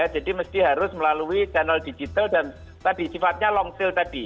jadi mesti harus melalui channel digital dan tadi sifatnya long sale tadi